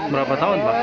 berapa tahun pak